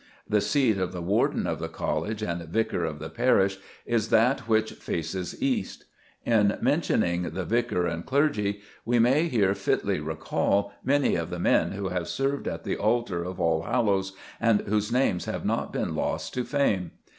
The seat of the Warden of the College and Vicar of the parish is that which faces east. In mentioning the vicar and clergy, we may here fitly recall many of the men who have served at the altar of Allhallows and whose names have not been lost to fame.